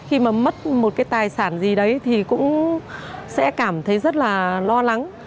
khi mà mất một cái tài sản gì đấy thì cũng sẽ cảm thấy rất là lo lắng